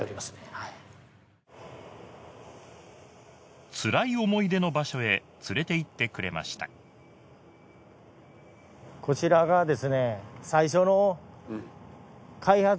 はいつらい思い出の場所へ連れていってくれましたこちらがですね